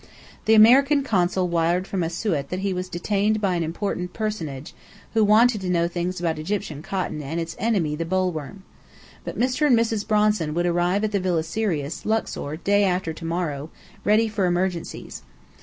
The American Consul wired from Asiut that he was detained by an Important Personage, who wanted to know things about Egyptian Cotton and its enemy the boll worm. But Mr. and Mrs. Bronson would arrive at the Villa Sirius, Luxor, day after to morrow, "ready for emergencies."